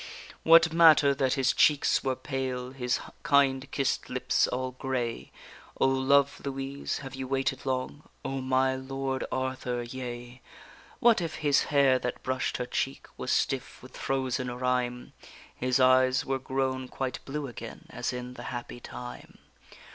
_ What matter that his cheeks were pale, His kind kiss'd lips all grey? O, love Louise, have you waited long? O, my lord Arthur, yea. What if his hair that brush'd her cheek Was stiff with frozen rime? His eyes were grown quite blue again, As in the happy time.